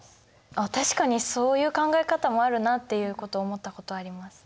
確かにそういう考え方もあるなっていうことを思ったことあります。